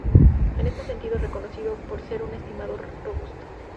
En este sentido es reconocido por ser un estimador robusto.